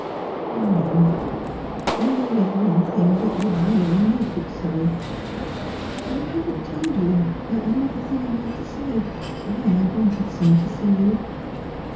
"I know. And there is one thing that would really make it so. I haven't told you another thing I had to say why I wanted so to see you."